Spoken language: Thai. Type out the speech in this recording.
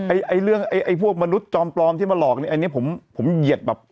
ไอ้เรื่องไอ้ไอ้พวกมนุษย์จอมปลอมที่มาหลอกเนี่ยอันนี้ผมผมเหยียดแบบ